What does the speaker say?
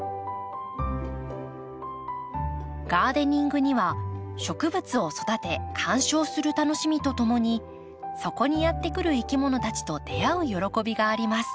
ガーデニングには植物を育て観賞する楽しみとともにそこにやって来るいきものたちと出会う喜びがあります。